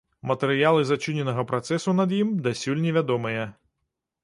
Матэрыялы зачыненага працэсу над ім дасюль не вядомыя.